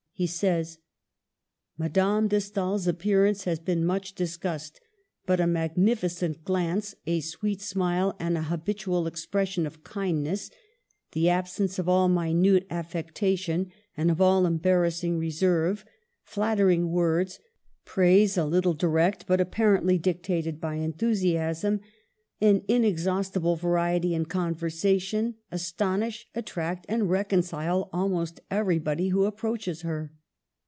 He says :— Madame de StaePs appearance has been much dis cussed, but a magnificent glance, a sweet smile, and an habitual expression of kindness, the absence of all minute affectation and of all embarrassing reserve, flattering words, praise a little direct but apparently dictated by enthusiasm, an inexhaustible variety in conversation, astonish, attract, and reconcile almost everybody who approaches her.